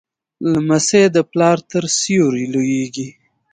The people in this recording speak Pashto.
لمسی د پلار تر سیوري لویېږي.